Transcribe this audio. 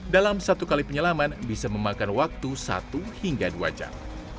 dalam satu kali penyelaman bisa memakan waktu satu hingga dua jam